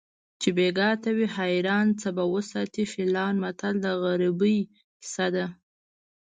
چې بیګا ته وي حیران څه به وساتي فیلان متل د غریبۍ کیسه ده